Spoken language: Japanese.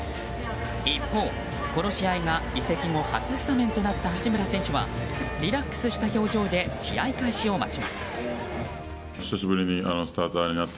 一方、この試合が移籍後初スタメンとなった八村選手はリラックスした表情で試合開始を待ちます。